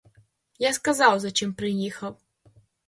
Я сказав за чим приїхав.